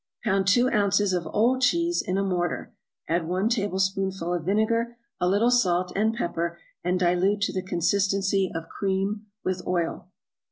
= Pound two ounces of old cheese in a mortar, add one tablespoonful of vinegar, a little salt and pepper, and dilute to the consistency of cream with oil.